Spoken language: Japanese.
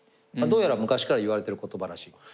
どうやら昔から言われてる言葉らしい。